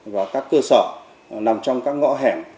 và các cơ sở nằm trong các ngõ hẻm